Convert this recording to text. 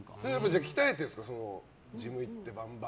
鍛えてるんですかジム行って、バンバン。